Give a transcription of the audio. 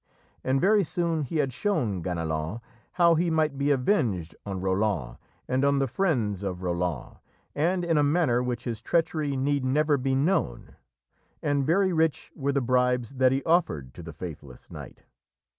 And very soon he had shown Ganelon how he might be avenged on Roland and on the friends of Roland, and in a manner which his treachery need never be known, and very rich were the bribes that he offered to the faithless knight.